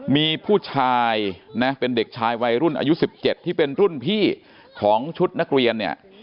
มีผู้ชายนะเป็นเด็กชายวัยรุ่นอายุ๑๗ที่เป็นรุ่นพี่ของชุดนักเรียนเนี่ย